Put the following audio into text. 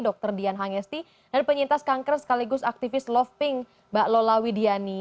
dr dian hangesti dan penyintas kanker sekaligus aktivis love pink mbak lola widiani